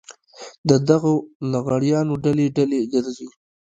د دغو لغړیانو ډلې ډلې ګرځي.